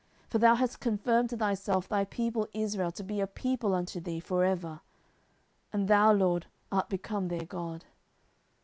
10:007:024 For thou hast confirmed to thyself thy people Israel to be a people unto thee for ever: and thou, LORD, art become their God.